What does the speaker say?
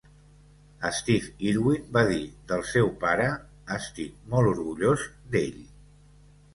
Steve Irwin va dir del seu pare: Estic molt orgullós d'ell.